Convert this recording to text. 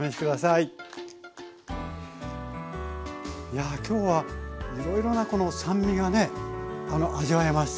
いやぁ今日はいろいろなこの酸味がね味わえます。